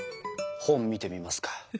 本見てみますか？